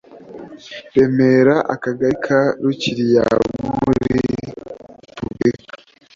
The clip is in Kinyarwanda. Remera akagari ka rukiri ya muri repuburika